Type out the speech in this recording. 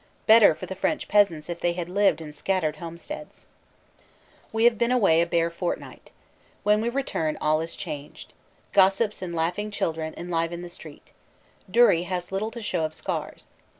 Better for the French peasants if they had lived in scattered home steads. We have been away a bare fortnight. When we return all is changed. Gossips and laughing children enliven the street. Dury has little to show of scars.